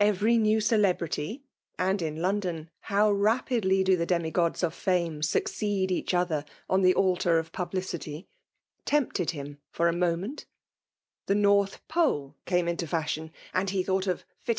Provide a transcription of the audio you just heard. Every new celebrity— •( and in I^oiidflti' how rapidly do the demigods of fiun^ sufiQ^dft each other on the altar of publicity i) *ntei|i]ijt<)A him for a moment. The North Bole fifW^ into fashion ;* and he thought of fitt^g.